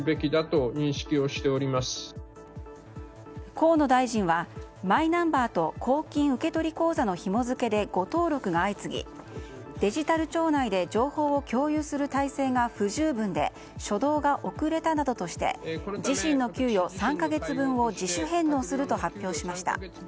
河野大臣はマイナンバーと公金受取口座のひも付けで誤登録が相次ぎデジタル庁内で情報を共有する体制が不十分で初動が遅れたなどとして自身の給与３か月分を自主返納すると発表しました。